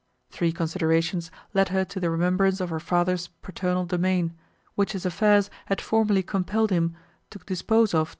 These considerations led her to the remembrance of her father's paternal domain, which his affairs had formerly compelled him to dispose of to M.